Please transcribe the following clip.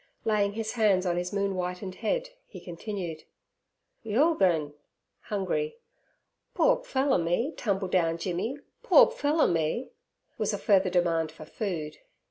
Laying his hands on his moon whitened head, he continued: 'Yulegrin (hungry). Poor pfeller me, Tumbledown Jimmy—poor pfeller me!' was a further demand for food.